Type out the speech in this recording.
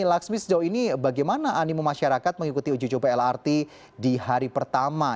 laksmi sejauh ini bagaimana animo masyarakat mengikuti uji coba lrt di hari pertama